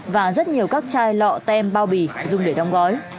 và rất nhiều các chai lọ tem bao bì dùng để đóng gói